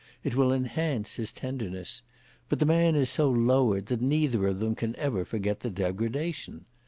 It will enhance his tenderness. But the man is so lowered that neither of them can ever forget the degradation.